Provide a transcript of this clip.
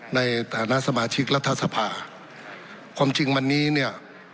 ในฐานะสมาชิกรัฐสภาความจริงวันนี้เนี่ย